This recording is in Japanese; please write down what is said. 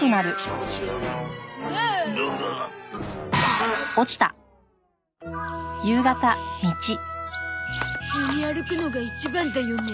普通に歩くのが一番だよね。